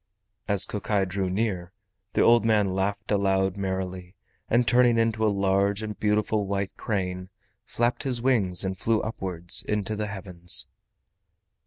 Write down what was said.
As Kokai drew near, the old man laughed aloud merrily, and turning into a large and beautiful white crane, flapped his wings and flew upwards into the heavens.